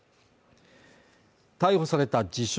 逮捕された自称